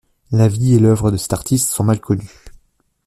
La vie et l'œuvre de cet artiste sont mal connus.